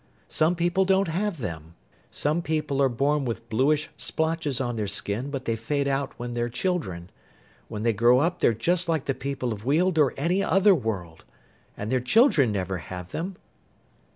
Some people don't have them. Some people are born with bluish splotches on their skin, but they fade out while they're children. When they grow up they're just like the people of Weald or any other world. And their children never have them."